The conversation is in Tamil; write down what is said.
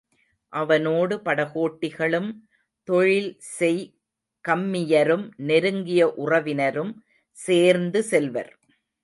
அவனோடு படகோட்டிகளும், தொழில் செய் கம்மியரும், நெருங்கிய உறவினரும் சேர்ந்து செல்வர்.